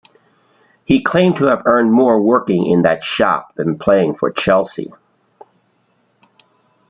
He claimed to have earned more working in that shop than playing for Chelsea.